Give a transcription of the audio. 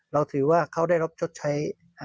เราถือว่าเขาได้รับชดใช้